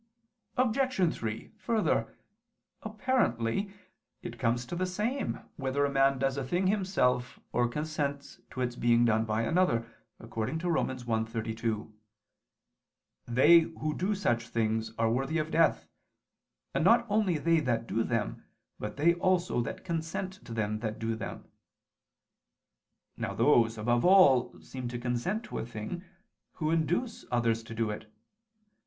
Obj. 3: Further, apparently, it comes to the same whether a man does a thing himself, or consents to its being done by another, according to Rom. 1:32: "They who do such things, are worthy of death, and not only they that do them, but they also that consent to them that do them." Now those, above all, seem to consent to a thing, who induce others to do it.